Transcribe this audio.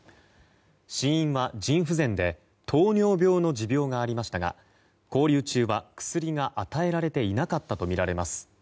死因は腎不全で糖尿病の持病がありましたが勾留中は薬が与えられていなかったとみられます。